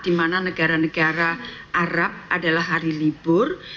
di mana negara negara arab adalah hari libur